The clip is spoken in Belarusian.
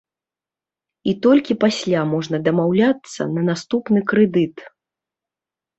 І толькі пасля можна дамаўляцца на наступны крэдыт.